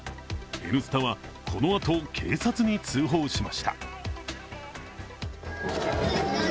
「Ｎスタ」はこの後、警察に通報しました。